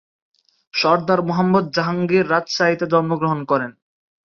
সরদার মোহাম্মদ জাহাঙ্গীর রাজশাহীতে জন্মগ্রহণ করেন।